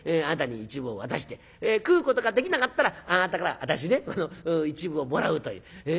あなたに１分を渡して食うことができなかったらあなたから私ね１分をもらうという。